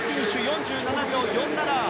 ４７秒４７。